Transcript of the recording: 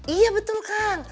iya betul kang